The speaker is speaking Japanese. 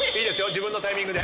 自分のタイミングで。